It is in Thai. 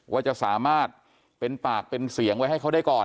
ว่าจะสามารถเป็นปากเป็นเสียงไว้ให้เขาได้ก่อน